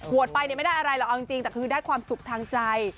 ไปไม่ได้อะไรหรอกเอาจริงแต่คือได้ความสุขทางใจ